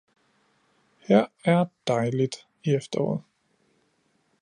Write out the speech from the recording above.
Her er dejligt i efteråret